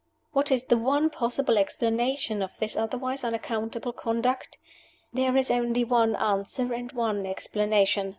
What is the one possible explanation of this otherwise unaccountable conduct? There is only one answer, and one explanation.